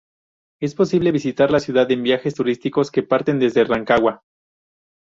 Es posible visitar la ciudad en viajes turísticos que parten desde Rancagua.